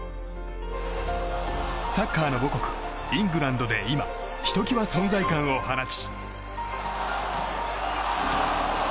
サッカーの母国イングランドで今ひときわ存在感を放ち。